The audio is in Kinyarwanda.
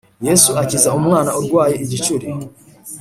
Yesu akiza umwana urwaye igicuri